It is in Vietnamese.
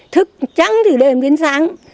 thức trắng từ đêm đến sáng